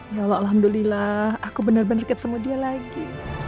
ya alhamdulillah aku benar benar dekat sama dia lagi